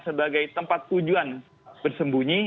sebagai tempat tujuan bersembunyi